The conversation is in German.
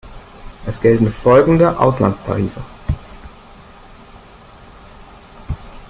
Es gelten folgende Auslandstarife.